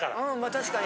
確かに。